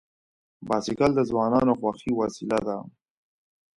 بایسکل د ځوانانو خوښي وسیله ده.